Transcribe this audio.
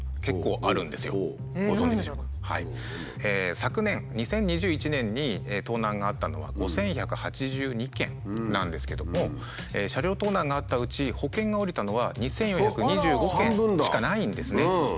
昨年２０２１年に盗難があったのは５，１８２件なんですけども車両盗難があったうち保険がおりたのは２，４２５件しかないんですね。